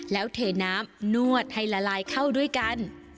แล้วเทน้ำนวดให้ละลายเข้าด้วยกัน